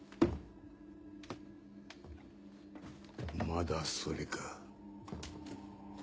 まだそれか。